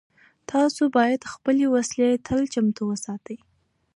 تاسو باید خپلې وسلې تل چمتو وساتئ.